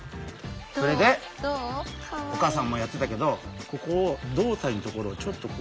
それでお母さんもやってたけどここを胴体の所をちょっと。